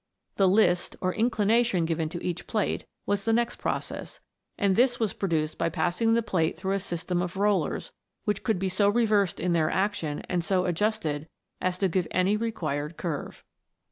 The " list," or inclination given to each plate, was the next process; and this was produced by passing the plate through a system of rollers, which could be so reversed in their action, and so adjusted, as to give any required curve.